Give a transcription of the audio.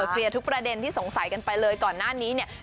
เคลียร์ทุกประเด็นที่สงสัยกันไปเลยก่อนหน้านี้เนี่ย